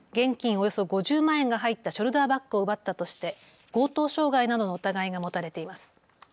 およそ５０万円が入ったショルダーバッグを奪ったとして強盗傷害などの疑いが持たれています。